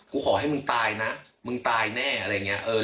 ขอให้มึงตายนะมึงตายแน่อะไรอย่างนี้